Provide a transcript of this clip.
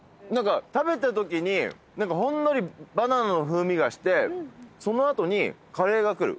食べたときにほんのりバナナの風味がしてその後にカレーがくる。